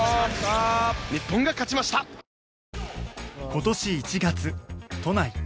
今年１月都内。